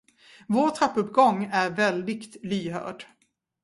Vår trappuppgång är väldigt lyhörd.